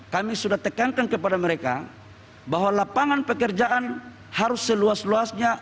kami sudah tekankan kepada mereka bahwa lapangan pekerjaan harus seluas luasnya